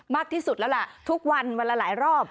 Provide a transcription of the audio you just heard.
มากที่สุดแล้วล่ะทุกวันวันละหลายรอบ